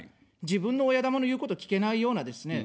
自分の親玉の言うこと聞けないようなですね、